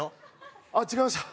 ああ違いました？